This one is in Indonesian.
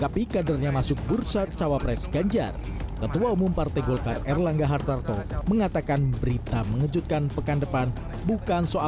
bedanya sekitar dua persen antara ganjar dan juga prabowo